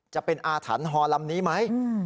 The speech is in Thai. จะเป็นอาถรรพ์ฮอลำนี้ไหม